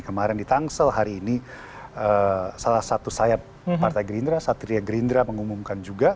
kemarin di tangsel hari ini salah satu sayap partai gerindra satria gerindra mengumumkan juga